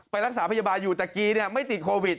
รักษาพยาบาลอยู่แต่กีไม่ติดโควิด